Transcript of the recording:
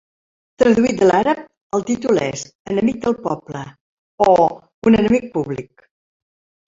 Traduït de l'àrab, el títol és "Enemic del poble" o "Un enemic públic".